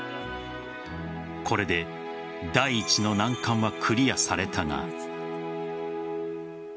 これで第一の難関はクリアされたが。